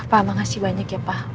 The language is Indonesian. pak makasih banyak ya pak